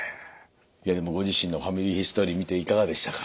いやでもご自身のファミリーヒストリー見ていかがでしたか？